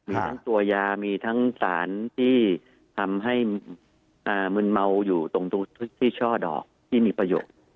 มีทั้งตัวยามีทั้งสารที่ทำให้มึนเมาอยู่ตรงที่ช่อดอกที่มีประโยชน์